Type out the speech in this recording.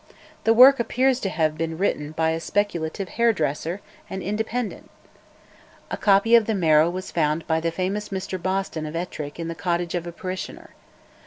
The work appears to have been written by a speculative hairdresser, an Independent. A copy of the Marrow was found by the famous Mr Boston of Ettrick in the cottage of a parishioner.